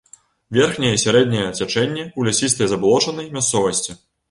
Верхняе і сярэдняе цячэнне ў лясістай забалочанай мясцовасці.